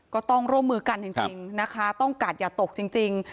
ก็ต้องร่วมมือกันจริงนะคะต้องกัดอย่าตกจริง